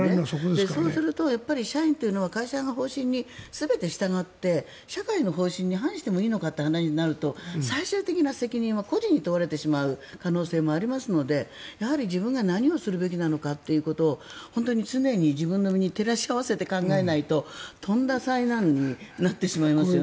そうすると、社員というのは会社の方針に全て従って社会の方針に反してもいいのかという話になると最終的な責任は個人に問われてしまう可能性もありますのでやはり自分が何をするべきかというのを本当に常に自分の身に照らし合わせて考えないととんだ災難になってしまいますよね。